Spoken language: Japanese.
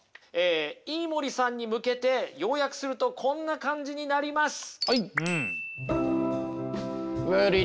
飯森さんに向けて要約するとこんな感じになります。